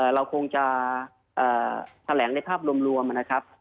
เราคงจะแถลงในภาพรวมนะครับ